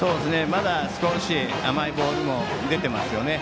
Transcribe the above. まだ少し甘いボールも出ていますね。